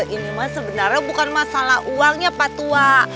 ini mas sebenarnya bukan masalah uangnya pak tua